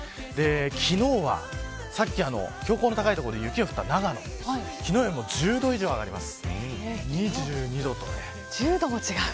昨日は、さっき標高の高い所で雪が降った長野昨日より１０度以上１０度も違う。